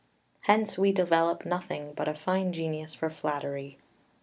Hence we develop nothing but a fine genius for flattery.